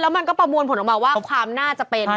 มันก็ประมวลผลออกมาว่าความน่าจะเป็น